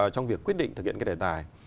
trong việc quyết định thực hiện đài tài